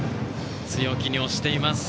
強気に押しています。